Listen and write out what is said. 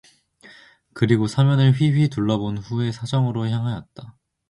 그리고 사면을 휘휘 둘러본 후에 사정으로 향 하였다.